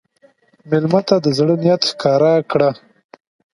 مېلمه ته د زړه نیت ښکاره کړه.